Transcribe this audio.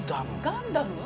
ガンダム？